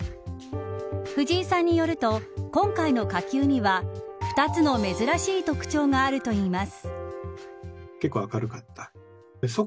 藤井さんによると今回の火球には２つの珍しい特徴があるといいます。